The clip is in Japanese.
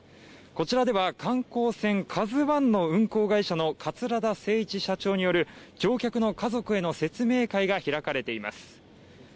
こちらでは観光船「ＫＡＺＵ１」の運航会社の桂田精一社長による乗客の家族への説明会が開かれています